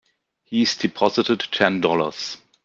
He's deposited Ten Dollars.